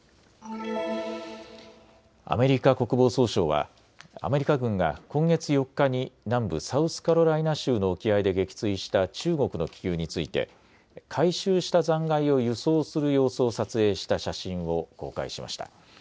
アメリカ国防総省はアメリカ軍が今月４日に南部サウスカロライナ州の沖合で撃墜した中国の気球について回収した残骸を輸送する様子を撮影した写真を公開しました。